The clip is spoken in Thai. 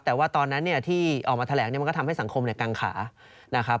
แต่ว่าตอนนั้นที่ออกมาแถลงมันก็ทำให้สังคมกางขานะครับ